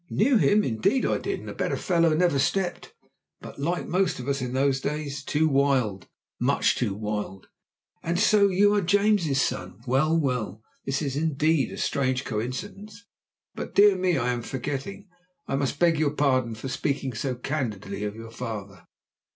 "Knew him? indeed, I did. And a better fellow never stepped; but, like most of us in those days, too wild much too wild! And so you are James's son? Well, well! This is indeed a strange coincidence. But, dear me, I am forgetting; I must beg your pardon for speaking so candidly of your father."